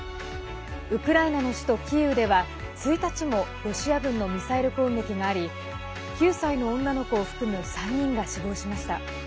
ウクライナの首都キーウでは１日もロシア軍のミサイル攻撃があり９歳の女の子を含む３人が死亡しました。